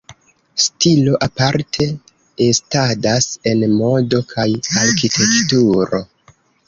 Stilo aparte estadas en modo kaj arkitekturo.